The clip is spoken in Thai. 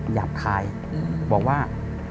หยาบคายบอกว่า